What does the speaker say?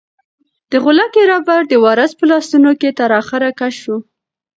د غولکې ربړ د وارث په لاسونو کې تر اخره کش شو.